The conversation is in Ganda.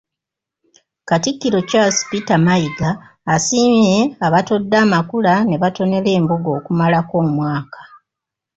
Katikkiro Charles Peter Mayiga asiimye abatodde amakula ne batonera embuga okumalako omwaka.